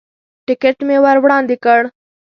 ټکټ مې ور وړاندې کړ.